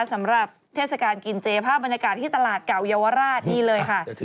สำหรับเทศกาลกินเจภาพบรรยากาศที่ตลาดเก่าเยาวราชนี่เลยค่ะ